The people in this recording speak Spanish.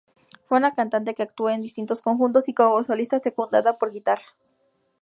Fue una cantante que actuó en distintos conjuntos y como solista, secundada por guitarra.